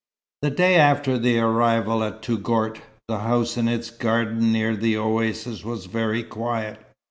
The day after the arrival at Touggourt, the house in its garden near the oasis was very quiet.